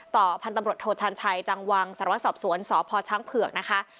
พันธุ์ตำรวจโทชันชัยจังวังสารวสอบสวนสพช้างเผือกนะคะ